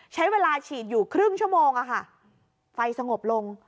ใช้เวลาฉีดอยู่ครึ่งชั่วโมงไฟสงบลง